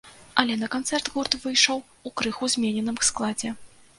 Але на канцэрт гурт выйшаў у крыху змененым складзе.